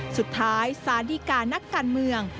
สุดท้ายศาลดีกานักการเมือง